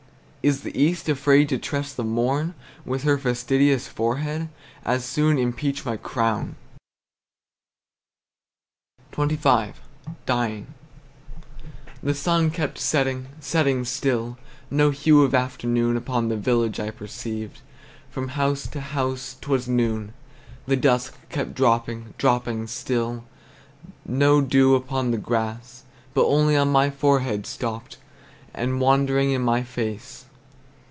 Is the east Afraid to trust the morn With her fastidious forehead? As soon impeach my crown! XXV. DYING. The sun kept setting, setting still; No hue of afternoon Upon the village I perceived, From house to house 't was noon. The dusk kept dropping, dropping still; No dew upon the grass, But only on my forehead stopped, And wandered in my face.